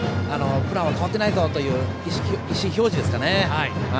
プランは変わってないぞという意思表示ですかね。